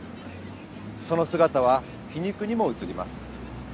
その姿は皮肉にも映ります。